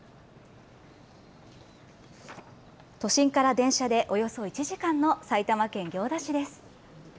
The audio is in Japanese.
都心から電車でおよそ１時間の埼玉県行田市です。